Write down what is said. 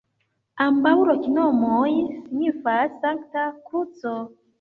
Ambaŭ loknomoj signifas: Sankta Kruco.